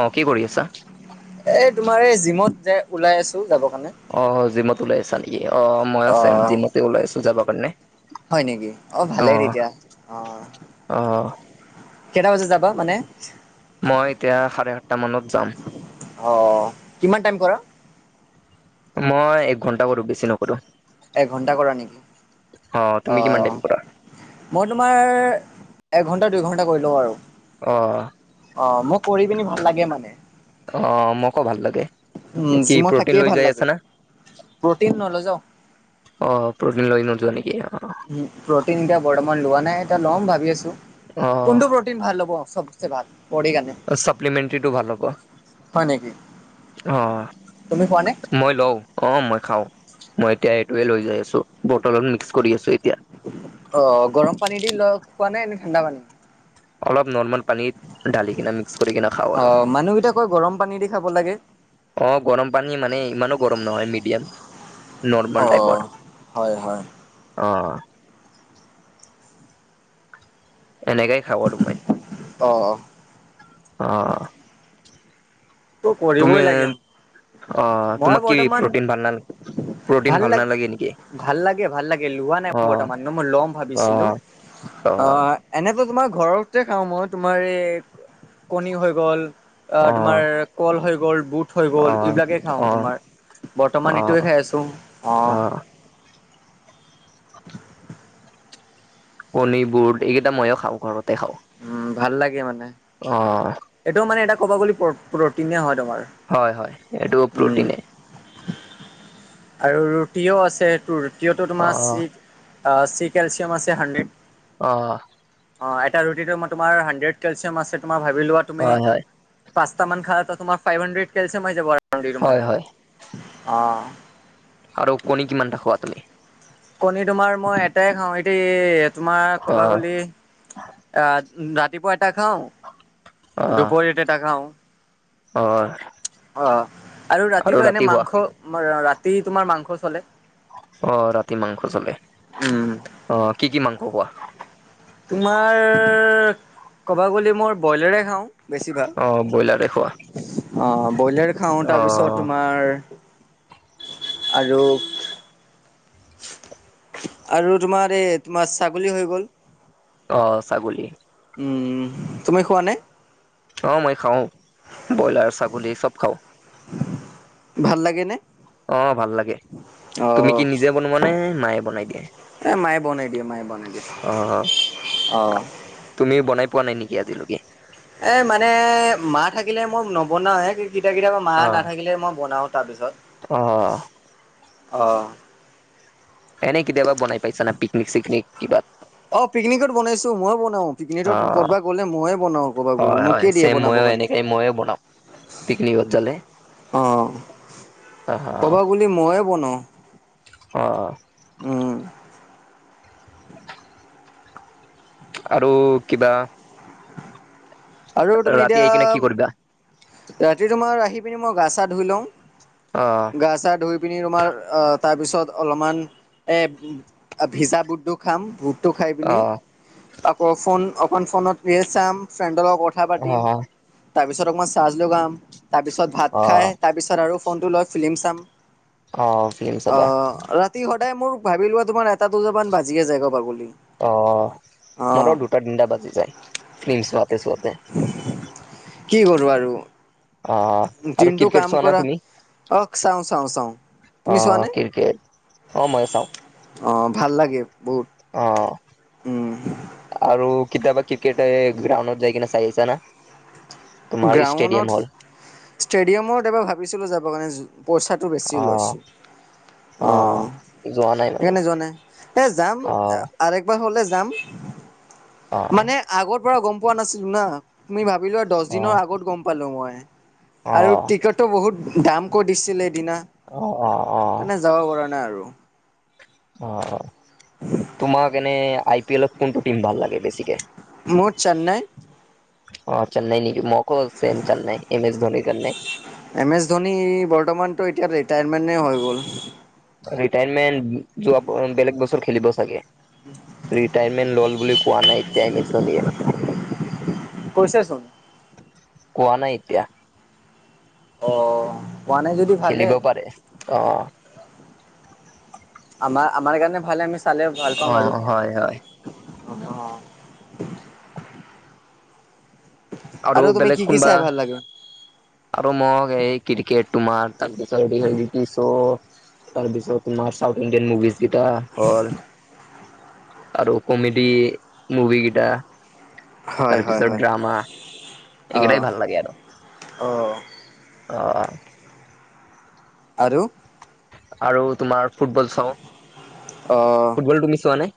অ' কি কৰি আছা? এই তোমাৰ এই জিমত যে ওলাই আছোঁ যাব কাৰণে। অ' জিমত উলাই আছা নেকি? অ' ময়ো চম অ'। জিমতে ওলাই আছোঁ যাব কাৰণে। হয় নেকি? অ' ভালেই তেতিয়া অ'। অ কেইটা বজাত যাবা মানে? মই এতিয়া চাৰে সাতটা মানত যাম। অ' কিমান টাইম কৰা? মই এক ঘণ্টা কৰোঁ, বেছি নকৰোঁ। এঘণ্টা কৰা নেকি? তুমি কিমান অ'। টাইম কৰা মই তোমাৰ এঘণ্টা দুইঘণ্টা কৰি লওঁ আৰু। অ'। অ' মোক কৰি পিনি ভাল লাগে মানে। অ' মকো ভাল লাগে। উম, কি জিমত প্ৰটিন থাকিয়ে লৈ ভাল যাই আছা লাগে। না প্ৰটিন নল যা অ' প্ৰ'টিন লৈ নোযোৱা নেকি? অ'। প্ৰটিন এতিয়া বৰ্তমান লোৱা নাই, এতিয়া ল'ম ভাবি আছোঁ। অ কোনটো প্ৰটিন ভাল হ'ব চব চে ভাল ভডিৰ কাৰনে? চাপ্লিমেণ্টৰীটো ভাল হ'ব হয় নেকি? অ'। তুমি খোৱা নে? মই লওঁ, অ' মই খাওঁ, মই এতিয়া এইটোৱে লৈ যাই আছোঁ, বটলত মিক্স কৰি আছোঁ এতিয়া। অ' গৰম পানী দি ল খোৱা নাই নে ঠাণ্ডা পানী? অলপ নৰ্মেল পানীত ডালি কিনে মিক্স কৰি কিনে খাওঁ অ আৰু। মানুহকেইটা কয় গৰম পানী দি খাব লাগে। অ' গৰম পানী মানে ইমানো গৰম নহয় মিডিয়াম। অ নৰ্মাল টাইপৰ হয় হয়। অ'। এনেকাই খাওঁ আৰু মই। অ', অ'। অ'। টো তুমি কৰিবই লাগিম, অ মই তোমাক কি বৰ্তমান প্ৰটিন ভাল নাল প্ৰটিন ভাল লাগ, নালাগে নেকি ভাল লাগে ভাল লাগে, লোৱা নাই অ বৰ্তমানো মই লম অ ভাবিছিলোঁ। অ'। এনেতো তোমাৰ ঘৰতে খাওঁ মই, তোমাৰ এই কণী হৈ গ'ল। আ, অ তোমাৰ কল হৈ গ'ল, বুট থৈ অ গ'ল এইবিলাকেই খাওঁ অ তোমাৰ, অ বৰ্তমান এইটোৱে খাই আছোঁ অ'। [inaudible] কণী, বুট এইকেইটা ময়ো খাওঁ, ঘৰতে খাওঁ। উম, ভাল লাগে মানে। অ'। এইটোও মানে এটা ক'বা গ'লে প্র-প্ৰটিনে হয় তোমাৰ। হয় হয়, এইটোও উম। প্ৰটিনে। আৰু ৰুটিও আছে, সেইটো ৰুটিটো অ তোমাৰ চি চি কেলচিয়াম আছে হাণ্ড্ৰেড। অ'। অ' এটা ৰুটিটো তোমাৰ হাড্ৰেড কেলচিয়াম আছে, তোমাৰ ভাবি লোৱা তুমি হয় হয় পাঁচটামান খালেতো তোমাৰ ফাইভ হান্দ্ৰেড কেলছিয়াম আহি যাব হয় তোমাৰ হয় অ'। আৰু কণী কিমানটা খোৱা তুমি? কণী তোমাৰ মই এটাই খাওঁ এতি তোমাৰ অ কবা গল, আহ ৰাতিপুৱা এটা খাও অ দুপৰতে এটা খাও অ, অ, আৰু ৰাতিটো এনে ৰাতি খোৱা মাংস ৰাতি তোমাৰ মাংস চলে। অ ৰাতি মাংস চলে উম অ কি কি মাংস কোৱা? তোমাৰ ক'ব গ'লে মই ব্ৰইলাৰে খাওঁ। বেছি ভাগ অ ব্ৰইলাৰে খোৱা অ, ব্ৰইলাৰ খাওঁ অ তাৰপিছত তোমাৰ আৰু আৰু তোমাৰ এই তোমাৰ ছাগলী হৈ গ'ল, অ, ছাগলী। তুমি খোৱা নে? অ মই খাওঁ ব্ৰইলাৰ ছাগলী চব খাওঁ। ভাল লাগেনেে? অ, ভাল লাগে তুমি কি নিজে বনোৱাানে মায়ে বনাই দিয়ে? এ মায়ে বনাই দিয়ে মায়ে বনাই দিয়ে। অ, অ, অ, তুমিও বনাই পোৱা নাই নেকি আজিলৈকে? এ মানে মা থাকিলে মই নবনাওে [inaudible] কিতয়াবা মা অ নাথাকিলে মই বনাওঁ তাৰপিছত। অ, অ, এনেই কেতিয়াবা বনাই পাইছা না পিকনিক চিকনিক কিবা? অ পিকনিকত বনাইছো ময়ো বনাও অ পিকনিকত ক'বাত গ'লে মইয়ে বনাও ক'বাত গ'লে মোকে দিয়ে বনাব কাৰণে। এই ময়ে বনাম পিকনিকত যালে অ, যদি ময়ে বনাওঁ। অ, উম, আৰু কিবা আৰু তুমি ৰাতি এতিয়া আহি কিনে কি কৰিবা ৰাতি তোমাৰ আহি পিনি মই গা চা ধুই লওঁ। অ, গা চা ধুই পিনি ৰুমাৰ তাৰপিছত অলপমান এ, ভিজা বুটডু খাম। টো খাই অ পিনি আকৌ ফোন অক ফোনত চাম ফ্ৰেণ্ড অলপ কথা অ পাতিম তাৰপিছত অকমান চাৰ্জ লগাম তাৰপিছত ভাত অ খাই তাৰপিছত আৰু ফোনটো লয় ফিলি্ম চাম, অ ফিল্ম অ, চাবা তি সদায় মোৰ ভাবি লোৱা তোমাৰ এটা দুজামান বাজিয়ে যায় কবা গলী। অ, মোৰো দুটা তিনিটা বাজি যায় ফিল্ম চোৱাতে চোৱাতে। কি কৰোঁ আৰু। অ, দিনটো কাম কৰা অ, চাওঁ, চাওঁ, চাওঁ। অ, তুমি চোৱানে ক্ৰিকেট অ মই চাওঁ। অ, ভাল লাগে বহুত। অ, উম আৰু কেতিয়াবা ক্ৰিকেট গ্ৰাউণ্ডত যাই কিনে চাই আহিছা না? তোমাৰ ষ্টেডিয়াম হ'ল গ্ৰাউণ্ডত ষ্টেডিয়ামত এবাৰ ভাবিছিলোঁ যাব কাৰণে, পইচা বেছি অ লৈছো। অ যোৱা নাই মানে সেইকাৰণে যোৱা নাই অ এ যাম অ মানে আগৰ পৰা গম পোৱা নাছিলো না তুমি ভাবিলোৱা দ অ অ দিনৰ আগত গম পালোঁ মই আৰু টিকেটটো বহুত দামকৈ দিছিলে সদিনা। অ অ অ মানে যাব পৰা নাই আৰু। অ', তোমাক এনে আই পি এলত কোনটো টিম ভাল লাগে বেছিকে? মোৰ চেন্নাই। অ', চেন্নাই নেকি মোক' ছেম চেন্নাই এম এছ ধনীৰ কাৰণে। এম এছ ধোনী বৰ্তমানতো এতিয়া ৰিটায়াৰমেণ্টেই হৈ গ'ল। ৰিটায়াৰমেন্ট যোৱা বেলেগ বছৰ খেলিব চাগে। ৰিটায়াৰমেন্ট লোৱা বুলি কোৱা নাই। এম এছ ধোনীয়ে কৈছেচোন কোৱা নাই এতিয়া। অ', কোৱা নাই যদি ভালে। খেলিব পাৰে অ'। আমাৰ- আমাৰ কাৰণে ভাল আমি চালে ভাল পাম অ', আৰু। হয়, হয়। অ আৰু তুমি বেলেগ কি কি কোনোবা চাই ভাল লাগে। আৰু মোক এই ক্ৰিকেট তোমাৰ তাৰপিছত [unintelligible] চ' তাৰ পিছত তুমাৰ চাউথ ইণ্ডিয়ান মুভিজ [unintelligible] আৰু কমেডি মুভি কেইটা। হয় হয় তাৰপিছত হয় ড্ৰামা এইকেইটাই অ'। ভাল লাগে আৰু। অ'। অ'। আৰু আৰু তোমাৰ ফুটবল চাওঁ অ' ফুটবল তুমি চোৱা নে? অ',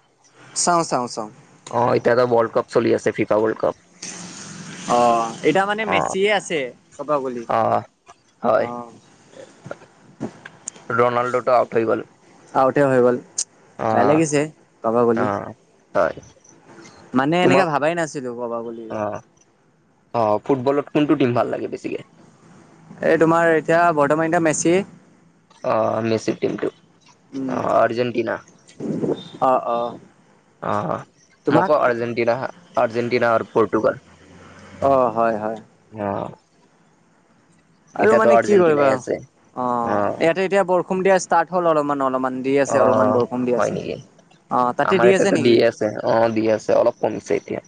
চাওঁ চাওঁ চাওঁ। এতিয়াটো ৱৰ্ল্ড কাপ চলি আছে ফিফা ৱৰ্ল্ড কাপ। অ', এতিয়া মানে অ', মেচিয়ে আছে ক'ব গ'লি অ', হয়। অ'। ৰনাল্ডো টো আউট হৈ গল। আউতে হৈ গ'ল বেয়া অ', লাগিছে ক'ব গ'লি। অ', হয়। মানে এনেকা তোমাক ভাবাই নাছিলোঁ, কবা বুলি ৰ। অ অ', ফুটবলত কোনটো টিম ভাল লাগে বেছিকে? এই তোমাৰ এতিয়া বৰ্তমান এতিয়া মেচি অ মেচিৰ টিমটো উম, অ আৰ্জেণ্টিনা। অ', অ'। অ', তোমাক মোক আৰ্জেণ্টিনা -আৰ্জেণ্টিনা আৰু পৰ্টুগাল। অ', হয়, হয়। অ'। আৰু এতিয়াতো মানে কি কৰিবা আৰ্জেণ্টিনাই আছে অ অ ইয়াতে এতিয়া বৰষুণ দিয়া ষ্টাৰ্ট হল অলপমান অলপমান দি অ আছে অলপমান বৰষুণ দি হয় আছে নেকি অ তাতে আমাৰ দি আছে এতিয়াতো নেকি? অ', দি আছে অলপ কমিছে এতিয়া।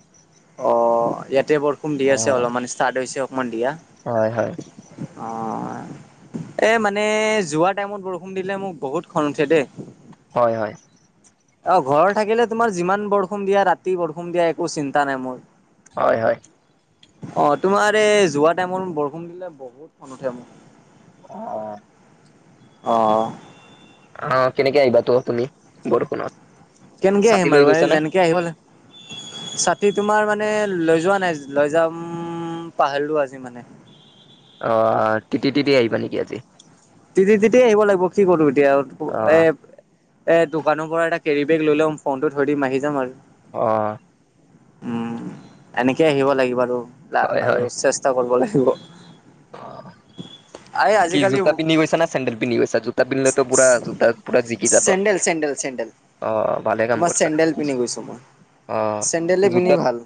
অ', ইয়াতে বৰষুণ দি অ আছে অলপমান ষ্টাৰ্ট হৈছে অকমান দিয়া। হয়, হয়। অ'। এই মানে যোৱা টাইমত বৰষুণ দিলে মোক বহুত খং উঠে দেই। হয়, হয়। অ', ঘৰত থাকিলে তোমাৰ যিমান বৰষুণ দিয়া ৰাতি বৰষুণ দিয়া একো চিন্তা নাই মোৰ। হয় হয় অ তোমাৰ এই যোৱা টাইমত বৰষুণ দিলে বহুত খং উঠে মোৰ। অ অ অ কেনেকে আহিবা তো তুমি বৰষুণত? কেনেকে ছাতি আহিম লৈ বাৰু এই গৈছা নে যেনেকে আহিব লা ছাতি তোমাৰ মানে লৈ যোৱা নাই লৈ যাম উম পাহাৰলো আজি মানে। অ', তিতি তিতি আহিবা নেকি আজি? তিতি তিতিয়ে আহিব লাগিব কি কৰো এতিয়া অ এ এ, দোকানৰপৰা এটা কেৰিবেগ লৈ লৈ ফোনটো থৈ দিম, আহি যাম আৰু। অ'। উম, এনেকে আহিব লাগিব আৰু হয় হয় আৰু চেষ্টা কৰিব লাগিব। আ, কি আজিকালি জোতা পিন্ধি গৈছা না চেণ্ডেল পিন্ধি গৈছা, জোতা পিন্ধিলেতো পুৰা জোতা পুৰা জিকি যাব। চেণ্ডেল চেণ্ডেল চেণ্ডেল অ' ভালে কাম তোমাৰ কৰিছা। চেণ্ডেল পিন্ধি গৈছো মই। অ' চেণ্ডেলে পিন্ধি জোতাত ভাল।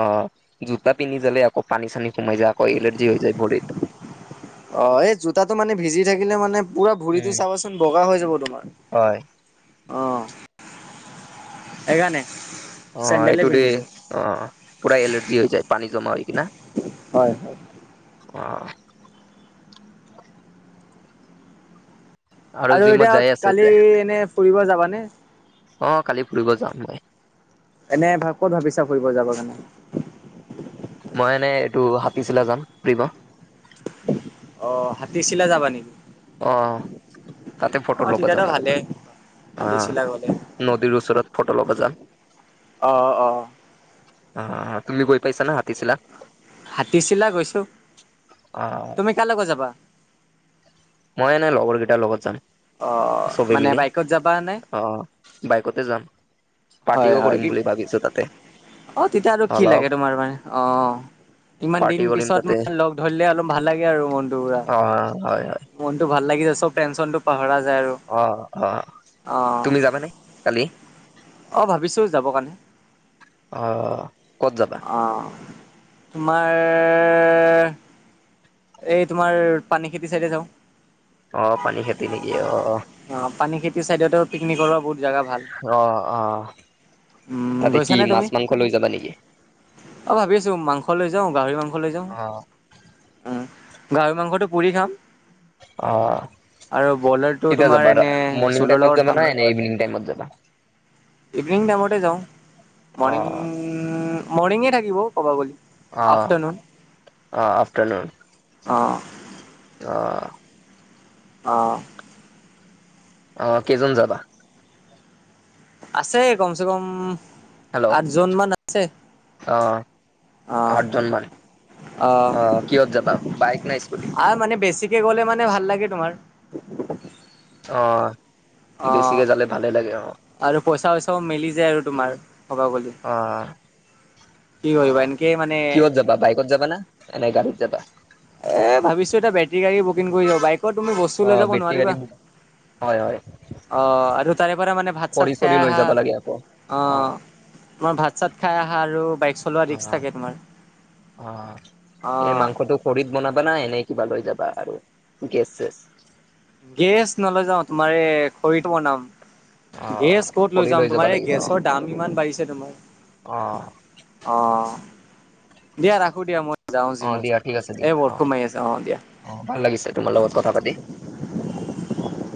অ' জোতা পিন্ধি যালে আকৌ পানী চানী সোমাই যায়, আকৌ এলাৰ্জি হৈ যায় ভৰিত। অ' এই জোতাটো মানে ভিজি থাকিলে মানে পুৰা উম ভডিটো চাবচোন বগা হৈ যাব তোমাৰ। হয় অ'। সেইকাৰণে। অ' চেণ্ডেলে এইটো দে, পিন্ধিছো অ' পুৰা এলাৰ্জি হৈ যায় পানী জমা হয় কিনা। হয় হয়। অ'। আৰু জিমত এতিয়া যাই আছে কালি এতিয়া এনে ফুৰিব যাবানে? অ' কালি ফুৰিব যাম মই। এনে ভ ক'ত ভাবিছা ফৰিব যাব কাৰণে? মই এনে এইটো হাতী চিলা যাম, ফুৰিব। অ' হাতী চিলাই যাবা নেকি? অ', অ' তাতে ফ'টো অ' ল'ব তেতিয়াতো যাম আৰু। ভালেই অ' হাতীচিলা গ'লে। নদীৰ ওচৰত ফটো ল'ব যাম। অ', অ'। অ' তুমি গৈ পাইছানে হাতিচিলা? হাতীচিলা গৈছোঁ। অ তুমি কাৰ লগত যাবা? মই এনে লগৰ কেইটাৰ লগত যাম। অ' চবে মানে মিলি বাইকত যাবা নে? অ' বাইকতে যাম। হয় পাৰ্টিও হয়। কৰিম বুলি ভাবিছোঁ তাতে। অ' তেতিয়া আৰু কি অলপ লাগে তোমাৰ মানে, অ'। ইমান পাৰ্টি দিন কৰিম পিছত তাতে ম লগ ধৰিলে অলপ ভাল লাগে আৰু মনটো পুৰা। অ হয় হয় মনটো ভাল লাগি যায়, চব টেনচনটো পাহৰা যায় আৰু। অ', অ' অ' তুমি যাবানে কালি? অ' ভাবিছোঁ যাব কাৰণে। অ' ক'ত যাব আ, তোমাৰ এই তোমাৰ পানী খেতি চাইডে যাওঁ। অ পানী খেতি নেকি অ অ' পানী খেতিৰ চাইডততে পিকনিকৰ বহুত জেগা ভাল। অ', অ' উম, তাতে কি গৈছানে মাছ তুমি? মাংস লৈ যাবা নেকি? অ' ভাবি আছোঁ, মাংস লৈ যাওঁ, গাহৰি মাংস লৈ যাওঁ। অ'। উ, গাহৰি মাংসটো পুৰি খাম। অ' আৰু বলাৰটো কেতিয়া তোমাৰ যাবা আৰু এনে মৰ্ণিং জোলৰ লগত টাইমত যাবা খাম। নাই নে ইভিনিং টাইমত যাবা? ইভিনিং টাইমতে যাওঁ। অ মৰ্ণিং মৰ্ণিঙে থাকিব ক'ব গ'লে। অ', আফটাৰনুন অ' আফটাৰনুন। অ'। অ'। অ'। অ' কেইজন যাবা? আছে কমচেকম হেল্ল' আঠজনমান আছে। অ আহ আঠজন মান আ, অ কিহত যাবা বাইক নাই স্কুটি আৰু মানে বেছিকে গ'লে মানে ভাল লাগে তোমাৰ। [inaudible] অ', অ', বেছিকে জালে ভালে লাগে, অ'। আৰু পইচা চইচাও মিলি যায় আৰু উম। তোমাৰ কবাগলি। অ', অ', এনেকে মানে কিয়ত যাবা বাইকত যাবা না নে নাই গাড়ীত যাবা? এ ভাবিছো এটা বেটৰী গাড়ী বুকিং কৰি লও, বাইকত তুমি বস্তু লৈ অ', যাব বেটেৰী নোৱাৰিবা। গাড়ী অ', বুক হয়, হয়। আৰু তাৰে পৰা মানে ভাত খৰি চাত খাই চৰি লৈ আহা, যাব লাগে আকৌ। অ', অহ। তোমাৰ ভাত চাত খাই আহা, আৰু বাইক চলোৱা ৰিক্স অ', থাকে তোমাৰ অ', এই অ'। মাংসটো খৰিত বনাবা না, এনেই কিবা লৈ যাবা আৰু গেছ চেছ? গেছ নলৈ যাও, তোমাৰ এই খৰিত বনাম। অ', গেছ ক'ত লৈ খৰি যাম যাব তোমাৰ, এই লাগিব অ', গেছৰ দাম ইমান বাঢ়িছে তোমাৰ। অ', অ'। দিয়া ৰাখো দিয়া মই যাও অ', জীমত দিয়া যাও, ঠিক আছে দিয়া এ অ', বৰষুন মাৰি আছে অ' দিয়া। অ', ভাল লাগিছে তোমাৰ লগত কথা পাতি। [unintelligible]